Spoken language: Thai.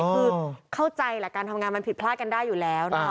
คือเข้าใจแหละการทำงานมันผิดพลาดกันได้อยู่แล้วนะ